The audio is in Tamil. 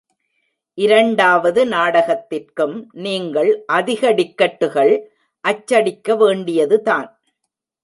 இரண்டாவது நாடகத்திற்கும் நீங்கள் அதிக டிக்கட்டுகள் அச்சடிக்க வேண்டியதுதான்.